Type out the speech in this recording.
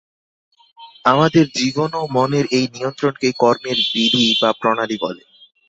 আমাদের জীবনও মনের এই নিয়ন্ত্রণকেই কর্মের বিধি বা প্রণালী বলে।